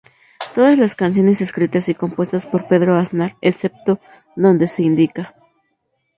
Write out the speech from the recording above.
Todas las canciones escritas y compuestas por Pedro Aznar, excepto donde se indica.